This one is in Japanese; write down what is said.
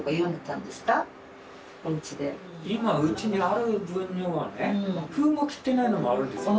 今うちにある分のはね封も切ってないのもあるんですよ。